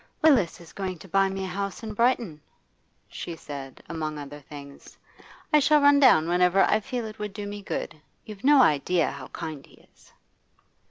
'Willis is going to buy me a house in Brighton,' she said, among other things. 'I shall run down whenever I feel it would do me good. You've no idea how kind he is.